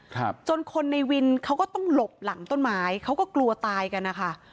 ครับจนคนในวินเขาก็ต้องหลบหลังต้นไม้เขาก็กลัวตายกันนะคะ